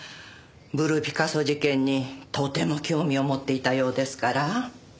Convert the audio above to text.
ブルーピカソ事件にとても興味を持っていたようですから。